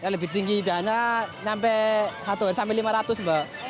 lebih tinggi dana sampai lima ratus mbak